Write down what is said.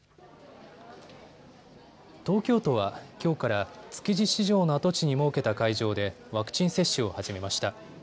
東京都はきょうから築地市場の跡地に設けた会場でワクチン接種を始めました。